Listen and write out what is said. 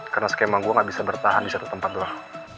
karena skema gue gak bisa bertahan di satu tempat doang